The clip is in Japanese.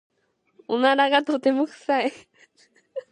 おならがとても臭い。